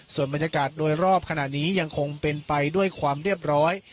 ส่วนบรรยากาศโดยรอบขณะนี้ยังคงเป็นไปด้วยความเรียบร้อย